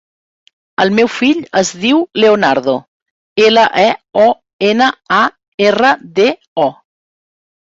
El meu fill es diu Leonardo: ela, e, o, ena, a, erra, de, o.